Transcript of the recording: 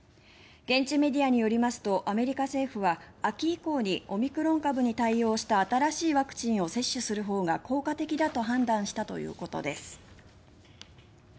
現地メディアによりますとアメリカ政府は秋以降にオミクロン株に対応した新しいワクチンを接種するほうが効果的だと判断したということです。